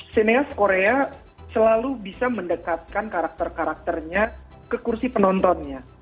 sineas korea selalu bisa mendekatkan karakter karakternya ke kursi penontonnya